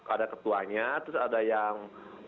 ada ketuanya terus ada yang